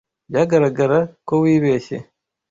Byagaragara ko wibeshye.